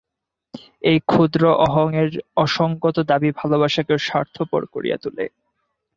এই ক্ষুদ্র অহং-এর অসঙ্গত দাবী ভালবাসাকেও স্বার্থপর করিয়া তুলে।